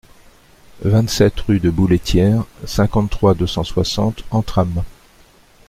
vingt-sept rue de Bouletière, cinquante-trois, deux cent soixante, Entrammes